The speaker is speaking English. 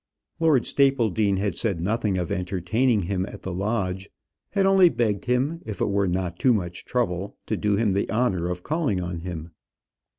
Lord Stapledean had said nothing of entertaining him at the Lodge had only begged him, if it were not too much trouble, to do him the honour of calling on him.